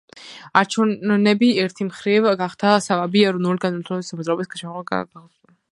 არჩევნები ერთი მხრივ, გახდა საბაბი ეროვნულ-განმათავისუფლებელ მოძრაობაში მომხდარი განხეთქილებისა.